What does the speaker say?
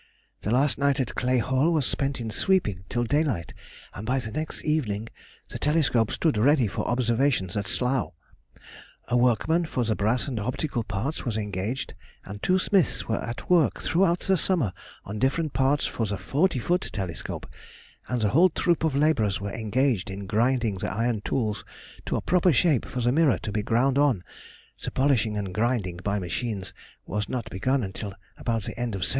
The last night at Clay Hall was spent in sweeping till daylight, and by the next evening the telescope stood ready for observation at Slough.... A workman for the brass and optical parts was engaged, and two smiths were at work throughout the summer on different parts for the forty foot telescope, and a whole troop of labourers were engaged in grinding the iron tools to a proper shape for the mirror to be ground on (the polishing and grinding by machines was not begun till about the end of 1788).